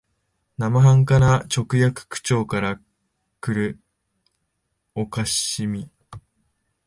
生半可な直訳口調からくる可笑しみ、